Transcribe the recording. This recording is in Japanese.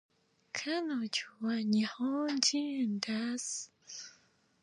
彼女は日本人です